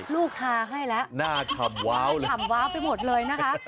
ลูกทาให้แล้วหน้าทำว้าวไปหมดเลยนะคะ